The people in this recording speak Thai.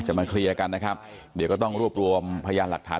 มาเคลียร์กันนะครับเดี๋ยวก็ต้องรวบรวมพยานหลักฐาน